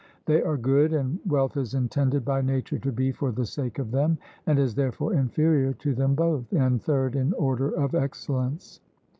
They are good, and wealth is intended by nature to be for the sake of them, and is therefore inferior to them both, and third in order of excellence.